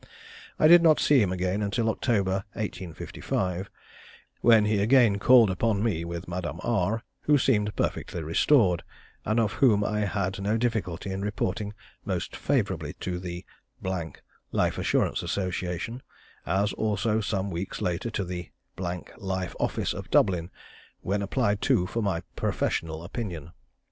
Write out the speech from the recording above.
I did not see him again till October, 1855, when he again called upon me with Madame R, who seemed perfectly restored, and of whom I had no difficulty in reporting most favourably to the Life Assurance Association, as also some weeks later to the Life Office of Dublin, when applied to for my professional opinion.